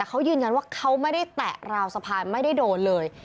เขายืนยันว่าเขาไม่ได้แตะราวสะพานไม่ได้โดนเลย